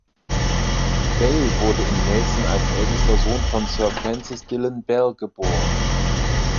Bell wurde in Nelson als ältester Sohn von Sir Francis Dillon Bell geboren.